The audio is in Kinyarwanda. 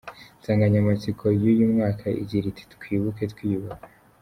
Insanganyamatsiko y’uyu mwaka igira iti “Twibuke Twiyubaka.